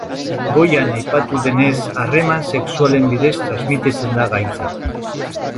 Goian aipatu denez harreman sexualen bidez transmititzen da gaitza.